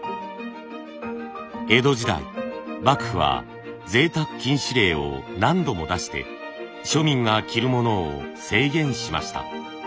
江戸時代幕府は贅沢禁止令を何度も出して庶民が着るものを制限しました。